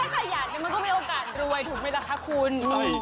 ขยันมันก็มีโอกาสรวยถูกไหมล่ะคะคุณ